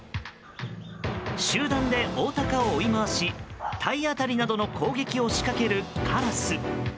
集団でオオタカを追い回し体当たりなどの攻撃を仕掛けるカラス。